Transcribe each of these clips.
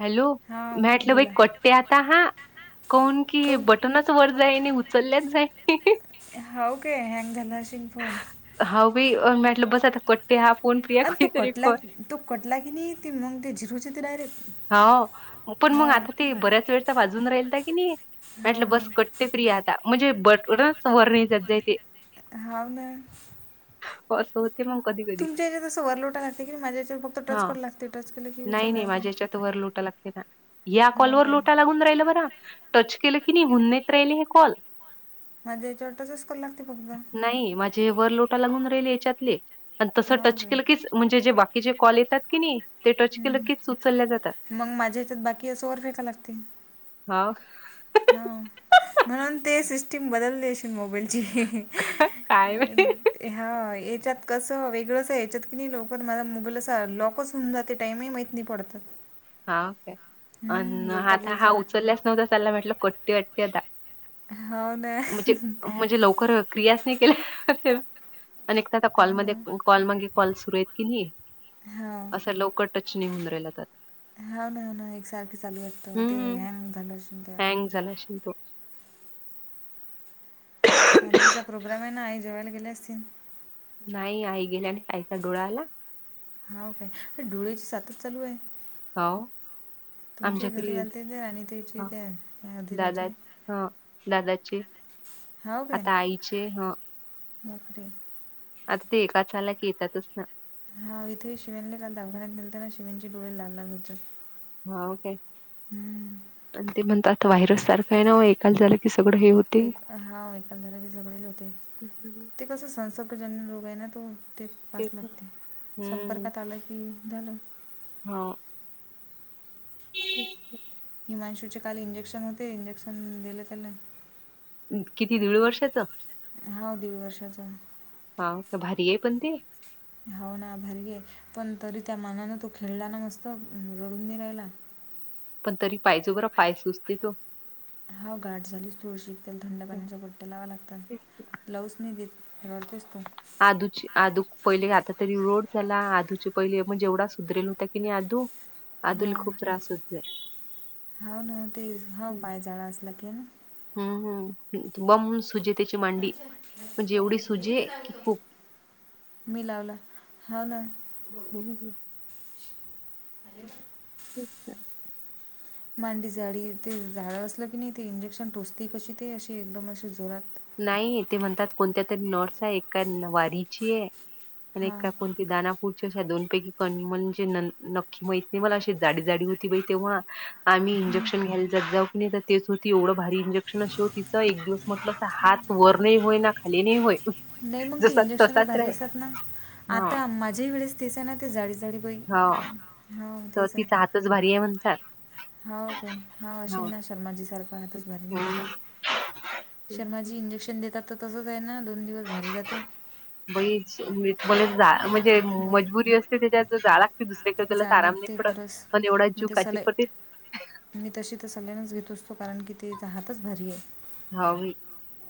Hello हा मटलं बाई बोला कोट्टे आता हा, कोण की बटनाच वर [unintelligible] उचलल्याच जाय होव काे ह्यांँ धशन फोन हा बी मेटलं बस आता. ते आपण. आणि तो कटला क तो कटला की नाही त तेी मग ते झिर होच ते डायरेक्ट. हो पण हो मग आता ते बऱ्याच वेळचा वाजून राहील का की नाही. हा म्हटलं बस हा कट्टते फि आता म्हणजे बटकड सर न जात जाय ते. हव ना. होस होत. ते मग क दि तुमच्यात तसं व्हलोट असते की माझ्याच्यात फक्त टच हा कयला लागते टच केलं की यूज नाही नाही चलाे. माझ्या ह्याच्यात वर लोट लागते ना या कॉलवरर काय? लोटा लागून राहिल बरा टच केलं की नाही हुन्त राहिले हे कॉल. माझ्या वटच कू लागते फक्त. नाही माझे वर लोट लाून राहि याच्यातले प तस हो टच काय? केलं की. म्हणजे जे बाकीचे कॉल येतात की नाही ते टच केलं हम्म. की सुचलल्या जात. मग माझ्या हच्यात बाकी असं वर फेका लागते. हा. हो म्हणून ते सिस्टीम बदललेशील मोबाईलची. काय नाही. हा याच्यात कसं वेगळंस या्याच्यात की नाही लवकर माझला मुगल अस लॉकच. समजाते टाईमही मैत नाही पडतात. हा ओके अ हम्म, बोलता आता हा बोलता उचलल्याच नव्हता चला म्हटलं कट्टी वट्टी आता. हो ना. म्हणजे म्हणजे लवकर. क्रियास नाही केल्या अ एक तर कॉलमध्ये कॉल मागे कॉल सुरू आहेत की नाही. असा लवकर टच निहन राहिला जात. होा ना ना एकसारखे चालूयात ते हॅ झालं अस. झालाेल तो. रांजीचा प्रोग्राम आहे ना आई जेवायला गेले असतील. नाही आई गेल्या आणि काय का डोळाला. होा काय डुळेची सातच चालू आहे. हो, तुमचे घरी आलते ना राणी त्याचे हां. त्या दादा अधीराचे. ह दादाचे आता आईचे ह नकरी. आता ते एका चालक येतातच ना. हा इथे शिवनने काल दवाघान्यात नळताना शिवनचे डोळे लागणार होतात. हा काय हम्म. आणि ते म्हणत आता व्हायरस सारखं आहे ना एकाल झालं की सगळं हे होत. एक हा एलधरा झगडले होते हम्म, ते कस संसर्गजन्य लोग आहे ना तो. ते पास लागते संपर्कात आलं की झालं. होा. अच्छ! ही माणशूचे काल इंजेक्शन होते इंजेक्शन दिले त्याला. किती दीड वर्षाचं. हा दीड वर्षाचा. हा. भारी आहे पण ते, हाव ना भारी आहे. पण तरी त्या मानानं तो खेळला ना मस्त, रडून नाही राहिला. पण तरी पायजो, बर पाय सुचते तो. हा, गाठ झालीस थोडीशी, त्याला थंड पाण्याच्या पट्ट्या लावाव्या लागतात. लावूच नाही देत, रडतोस तो. आदूचे आदू पहिले आता तरी रोड झाला, आधूचे पहिले म्हणजे येवढा सुधरेल होता की नाही आदू. आधुला खूप त्रास होते. हांव ना ते हा हम्म पाय झाळा असला की, हम्म हम, बम सुजे त्याची मांडी म्हणजे, एवढी सुजे कि खूप. मी लावला, हाना. [unintelligible] तेचं ना, मांडी झाडी ते झाड असलं कणी ते, इंजेक्शन टोसते कशी ते अशी एकदम अशी जोरात. नाही ते म्हणतात. कोणत्या तरी नॉटस आहे एका वारीची आहे, आणि हां एका हं. कोणत्या ते दानापूरची अशा दोनपैकी कण म्हणजे न नक्की माहित नाही, मला अशी जाडी जाडी होती बाई तेव्हा. आम्ही इंजेक्शन घ्यायला ज- जाऊ कणी तर तेच होती. एवढं भारी इंजेक्शन अशी होतीच, एक दिवस म्हटलं. हात वर नाही होय, ना खाली नाही होय. नाही मग ती जसा इंजेक्शनच तसाच भारी राहे असतात ना, हा आता माझ्याही वेळेस तेस ना ते जाडी. जाडी बाई हो तीच आहे. तिचं भारी आहे म्हणतात. होव काय हां, हा अशीन ना शर्माजी सारखं हातच भारीन दिसा. हम्म. शर्माजी इंजेक्शन देतात तर, तसंच आहे ना दोन दिवस भारी जाते बाई मला जा म्हणजे मग मजबुरी असते, तेच्या जाला दुसरीकडे तुला जा आराम नाही लागते पडत, खरंच पण एवढा मी ते जूकाची सलाय पटीत. मी तशी तर सल्यानच घेतो असतो, कारण की तिचा हातच भारी आहे. हावं बाई.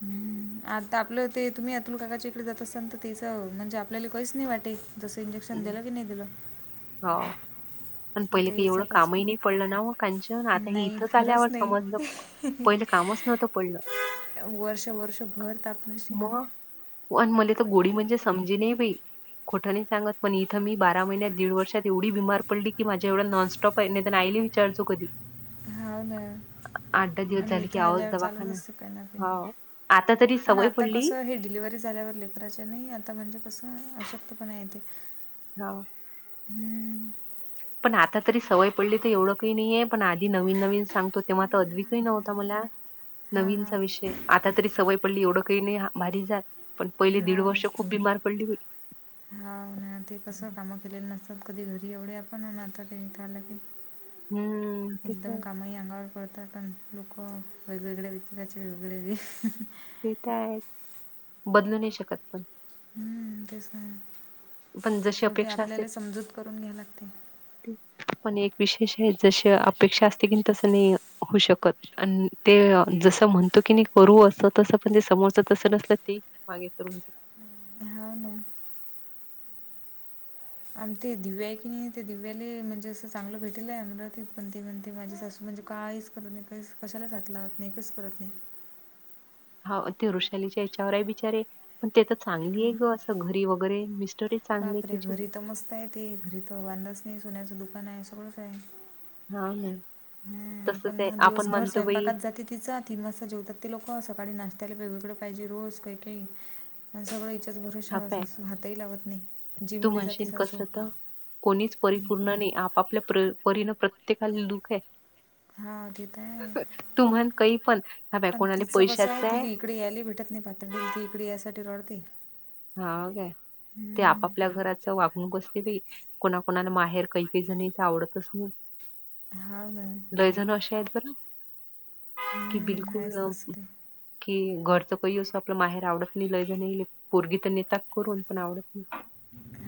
हम्म. आता आपलं ते तुम्ही अतुल काकाच्या इकडे जात, असाल तर तेचं म्हणजे, आपल्याला काहीच नाही वाटे. तसं इंजेक्शन दिला कणी दिलं. हो. पण पहिले आता काही याचं एवढं कामही कसं नाही पडलं ना, ओ कांचन आता हे नाही इथंच खरंच आल्यावर समजलं. नाही पहिलं कामच नव्हतं पडलं. वर्षे वर्षे भर [unintelligible] वन मले तर गोडी म्हणजे, समजे नाही बाई खोटं नाही सांगत. पण इथं, मी बारा महिन्या दीड वर्षात एवढी बीमार पडली. की माझ्या एवढा नॉनस्टॉप आहे, आयली विचारचो कधी. हावं ना. आठ दहा दिवस आणि झाले की इथं आओच आल्यावर चालूच दवाखाना. असत, काही ना काही, हो. आता तरी ना सवय आता पडली. कस हे डिलिवरी. झाल्यावर लेकराच्या हेच, आता म्हणजे कसं अशक्तपणा येते. हांव. हम्म. पण आता तरी सवय पडली तर एवढं काही नाहीये, पण आधी नवीन नवीन सांगतो तेव्हा, अद्विक नव्हता मला. [inaudible] हां. नवीनचा विषय, आता तरी सवय पडली. एवढं काही नाही भारी जातं. पण पहिले दीड वर्ष खूप बीमार पडली बाई. हाव ना, ते कसं कामं केलेलं नसतात कधी, घरी एवढे आपण आता ते इथे अल की, हम्म ते एकदम तर कामही अंगावर. करतात पण लोकं, वेगवेगळ्या विचाराचे वेगवेगळे [unintelligible] ते काय, बदलू नाही शकत पण. हम्म, तेच ना पण जशी शेवटी अपेक्षा असते आपल्याला समजूत करून घ्या लागते. पण एक विशेष हे जशी अपेक्षा असते कनी तसं नाइ हु शकत. आणि ते जसं म्हणतो कनी करू असं तस पण ते समोरच तसं नसल की मागे [unintelligible] हो ना. आणि ते दिव्याय कनी ते दिव्याले म्हणजे असं चांगलं भेटलय अमराती पण ते म्हणतंय माझी सासू म्हणजे काय करत नाइ कशाला हात नाइ कसं करत नाइ. हौव ते वृषालीच्या हेच्यावर हाय बिचारे पण ते त चांगलीय ग असं घरी वगरे मिस्टर बाप रे घरी त मस्ताय की घरी तर वांधच नाइ सोन्याचं दुकानय सगळंचाय हा ना. हम्म पण तसच आहे म आपण दिवसभर म्हणतो बाई स्वयंपाकात जाते तिचा तीन वाजता जेवतात ति लोकं सकाळी नाश्त्याला वेगवेगळ पाहिजे रोज काही काही आणि सगळं हिच्या जवळ हा आशरशा काय सासू हातही लावत नाही तू जिमले जाते म्हणशील सासू. कसं तर कोणीच परिपूर्ण नाइ आपापल्या परीन प्रत्येकाला दुःखाय हा ते तर हायच तू म्हण कही पण हा बाय आणि कोणाला तिचं कसाय पैशाचं आहे तिली इकडे यायले भेटत नाइ [unintelligible] ती इकडे यासाठी रडते. हा काय ते हम्म. आपापल्या घराच वागणूक असते बाइ कुणाकुणाला माहेर काही काही जणिचं आवडतच नाइ. हा ना. लयजण अशे आहेत खरं कि हम्म बिलकुल आहेच तसं ते. की घरचं [unintelligible] आपलं माहेर आवडत नाइ [unintelligible] पोरगी [unintelligible] तप करून पण आवडत नाइ.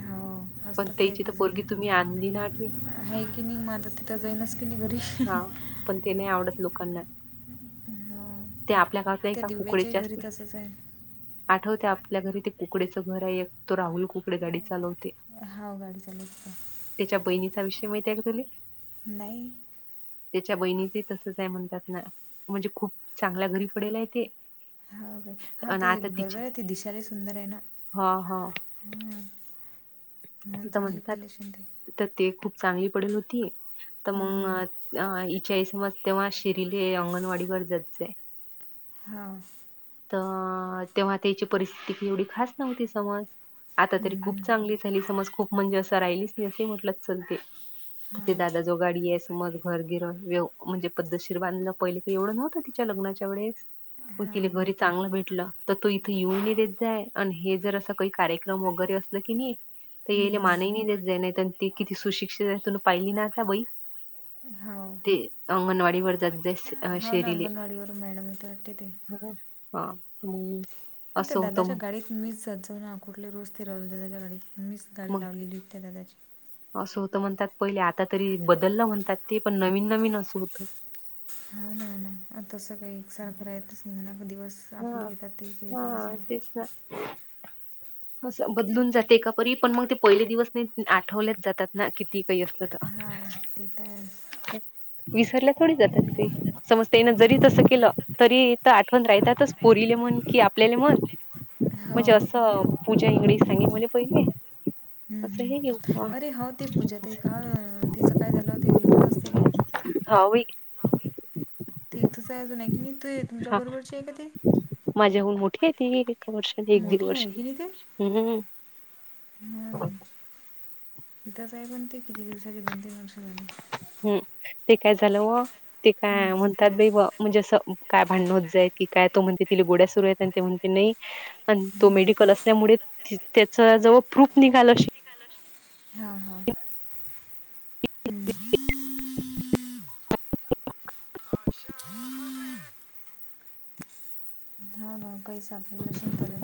हो ओ असतात काही काही जण पोरगी तुम्ही आणली ना आठी हय कनी माझ तिथं जाईनास की नाइ घरी हा पण ते नाही आवडत लोकांना हा ते आपल्या आ गावातल्या त्या एका दिव्याच्याही कुकडीचे असते घरी तसचाय आठवते आपल्या घरी ते कुकडेचं घर हाय एक तो राहुल कुकडे गाडी चालवते. हो गाडी चालवते. तेच्या बहिणीचा विषय माहितीय का तुले? नाइ. तेच्या बहिणीच ही तसंच हाय म्हणतात ना. म्हणजे खूप चांगल्या घरी पडेलाय ते. हं काय हा आणि ते आता तिचे बरोबराय ते दिशालय सुंदर हाय ना. हा हा. [inaudible] म्हणून आता चांगली म्हणतात पडले असेल ते त ते खूप चांगली पडेल होती त म हम्म हम्म. [unintelligible] शिरले अंगणवाडीकड जायचाय. हा. त तेव्हा तेची परिस्थिती एवढी खास नव्हती समज आता तरी हम्म, हम्म. खूप चांगली झाली समज खूप म्हणजे असं राहिलीच नाइ असे म्हटलं चल ते हा. ते दादा जो गाडीयाय समज घर, गिरण, वेव म्हणजे पद्धतशीर बांधल पहिलं की एवढं नव्हतं तिच्या लग्नाच्या वेळेस हा. म तिला घरी हम्म, चांगलं भेटलं त तो इथे येऊन [unintelligible] जाय आणि हे जर असं काही कार्यक्रम वगरे असल कनी ते हम्म. [unintelligible] ते किती सुशिक्षिताय तुला पाहिली ना आता बई हो. ते अंगणवाडीवर जात जाइ हो ना शेरिले अंगणवाडीवर मॅडम होते वाटते ते. हा. आ ते असं होतं दादाच्या म्हण गाडीत मी जातं जाउ ना कुठले रोज ते राहुल दादाच्या गाडीत मीज गाडी मग लावलेली होती दादाची असं हुतं म्हणत्यात पहिले आता तरी बदलं म्हणत्यात ते पण नवीन नवीन असं हुतं. हो ना ना आणि तसं काही एकसारखं राहितच नाइ ना गं दिवस हा घेतात ते [unintelligible] हा तेच ना बदलून जाते का परी पण मग ते पहिले दिवस नाही आठवल्यात जातात ना कि ती काही असत हां ते तर आहेच विसरल्या थोडी जातात ते समज त्यान हम्म, जरी तसं हम्म. केलं तरी आठवण राहतातच पोरीले म्हणून की आपलेले मग हो म्हणजे असं पूजा इंगडी संगीत मुले पहि हम्म हम्म अरे हो ते पूजा ताई का तिचं काय झालं इथंच असते काय व्हय की ती इथंच आहे अजून आहे की नाही तुमच्या हा बरोबरची आहे का ती माझ्याहून मोठी आहे ती एक वर्ष दीड मोठी आहे की ते हम्म हम् गीतासाहेब म्हणते किती दिवसाची बनते माणसं झाली हम्म ते काय झालं व ते हम्म. काय म्हणत म्हणजे असं काय भांडण होत जाय की काय तो म्हणते तिला गोळ्या सुरू आहेत आणि ती म्हणते नाही आणि तो मेडिकल असल्यामुळे ति त्याच जवा प्रूफ निघाल हा हा हम्म हा काय सापडलंच नाही त्याला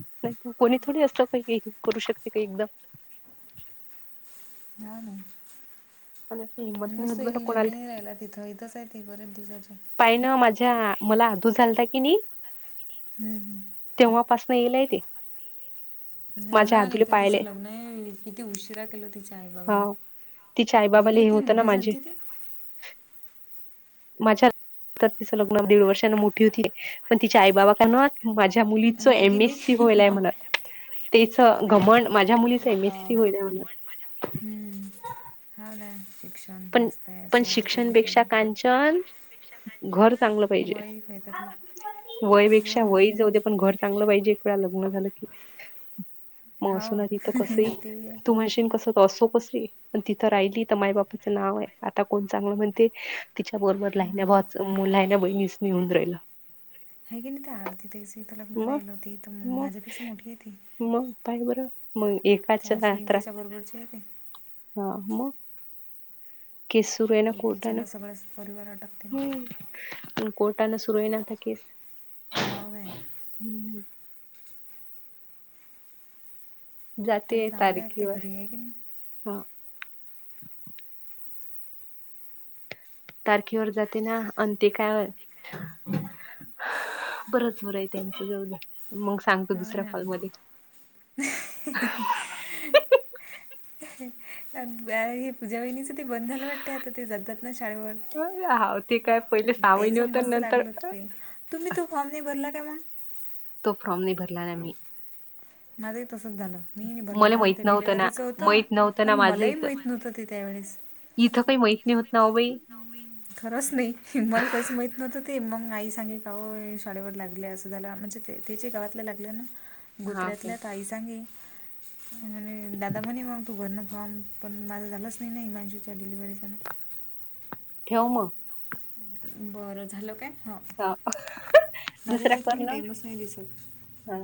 नाही तू कोणी थोडी असंत पैकी काही करू शकते काही एकदम हा -हा अ म्हणूनस हिला नेऊन राहिला तिथं इथंच आहे ती बरेच दिवस नाही ना माझ्या मला अधू झालता की नाही हम्म हम्म तेव्हापासन इलाय ती म्हणून एकदा पाहिले तिचं लग्न आहे किती उशिरा केलं तिच्या आई हा बाबांना तिच्या ह [inaudible] आईबाबाला नाही हे किती होतं ना मोठी माझे झालती ती माझ्या तिचं लग्न दीड वर्षांन मोठी होती पण तिच्या आई बाबा काना माझ्या मुलीचं आहे की एम नाही एस सी होईलाय म्हण तिझ घमड माझ्या मुलीच एम एस आहे सी हा होईल्या म्हण हम्म. हा ना श पण पण शिक्षणपेक्षा कांचन घर चांगलं वय येतात पाहिजे लोक हो वयपेक्षा ना वय जाऊ दे पण घर चांगलं पाहिजे एकदा लग्न झालं की मग हो असो ना तिथं कसं ते आहे. तू म्हणशील कसं असो कसं तिथं राहिली तर माय बाप नाव आहे आता कोण चांगलं म्हणते तिच्या बरोबर लहानच्या हम्म. भावाच मूल लहान बहिणीच येऊन राहिलं ह की नाही ते आरती ताईंसनी तिथं लग्न मग राहिल होती मग माझ्यापेक्षा मोठी आहे ती मग काय बरं मग त्या एकाच्या अश्विनी यात्रा ताईच्या बरोबरची आहे ती हा मग केस सुरू आहे ना कोर्टान एकीच्यानं सगळाच परिवार अटकते ना हम्म कोर्टान सुरू आहे ना आता केस हा वे हं जातेय तसे आहे चांगले आहेत ते तारखीवर घरी आहे की नाही हा तारखेवर जाते ना आणि ते काय बरच बरं आहे त्यांच्या जवळ जाऊ दे मग सांगतो हा दुसऱ्या ना कॉलमध्ये हे पूजा वहिणीच ते बंद झालं वाटतंय आता ते जातात ना शाळेवर हाव ते काय पहिले सहा ते ज महिने होत मस्त नंतर लागलं ते तुम्ही तो फॉर्म नाही भरला काय मग तो फॉर्म नाही भरला ना मी माझही तसच झालं मी नाही भरला मला माझं माहित ते नव्हतं ना डिलेव्हरीच होतं माहित नव्हतं ना पण माझं मलाही इथं माहीत नव्हतं ते त्यावेळेस इथं काही माहीत नाही होत ना बाई. खरंच नाही मला काहीच माहीत नव्हतं ते मग आई सांगे का शाळेवर लागले असं. बरं झालं, म्हणजे ते त्या गावात लागलं हा काय गुजरातल्या ताई सांगे आणि दादा म्हणे मग तू भर ना फॉर्म पण माझं झालंच नाही ना हीमाणशूच्या डिलिव्हरीचा ठेव मग. बर, झालं काय? हा माझ्या दुसऱ्या ह्याच्यात की कॉल नाही टाईमच नाही दिसत ला